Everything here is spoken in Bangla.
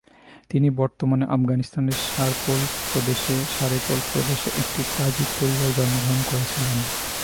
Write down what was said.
তিনি বর্তমান আফগানিস্তানের সারে-পোল প্রদেশে একটি তাজিক পরিবারে জন্মগ্রহণ করেছিলেন।